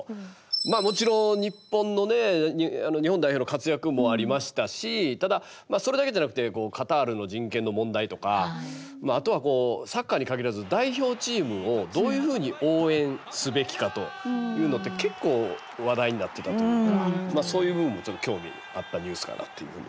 もちろん日本のね日本代表の活躍もありましたしただそれだけじゃなくてカタールの人権の問題とかあとはサッカーに限らず代表チームをどういうふうに応援すべきかというのって結構話題になってたというかそういう部分もちょっと興味あったニュースかなっていうふうに。